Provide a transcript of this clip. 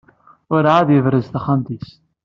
Ur ɛad yebrez taxxamt-is.